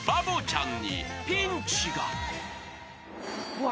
うわ。